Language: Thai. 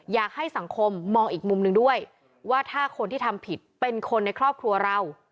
อยากให้สังคมมองอีกมุมหนึ่งด้วยว่าถ้าคนที่ทำผิดเป็นคนในครอบครัวเรา